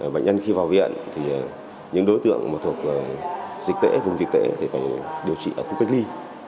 bệnh nhân khi vào viện thì những đối tượng mà thuộc dịch tễ vùng dịch tễ thì phải điều trị ở khu cách ly